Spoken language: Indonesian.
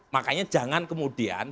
makanya jangan kemudian